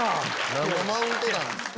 何のマウントなんすか！